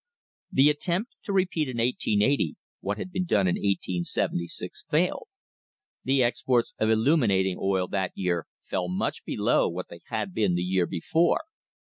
* The attempt to repeat in 1880 what had been done in 1876 failed. The exports of illuminating oil that year fell much below what they had been the year before.